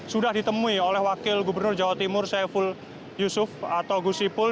sudah ditemui oleh wakil gubernur jawa timur saiful yusuf atau gusipul